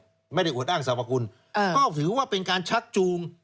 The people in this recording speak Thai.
ไม่ได้อวดอ้างสรรพคุณก็ถือว่าเป็นการชักจูง